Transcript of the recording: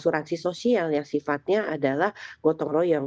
asuransi sosial yang sifatnya adalah gotong royong